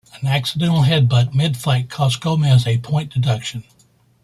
An accidental headbutt mid-fight cost Gomez a point deduction.